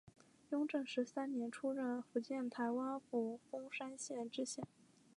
雍正十三年出任福建台湾府凤山县知县。